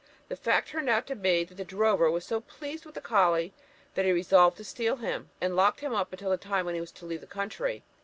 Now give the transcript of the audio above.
The fact turned out to be, that the drover was so pleased with the colley that he resolved to steal him, and locked him up until the time when he was to leave the country.